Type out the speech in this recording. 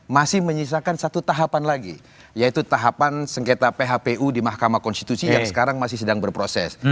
masih menyisakan satu tahapan lagi yaitu tahapan sengketa phpu di mahkamah konstitusi yang sekarang masih sedang berproses